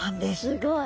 すごい！